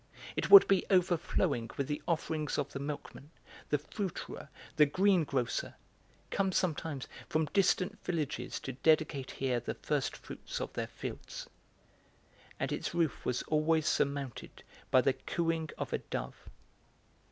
It would be overflowing with the offerings of the milkman, the fruiterer, the greengrocer, come sometimes from distant villages to dedicate here the first fruits of their fields. And its roof was always surmounted by the cooing of a dove.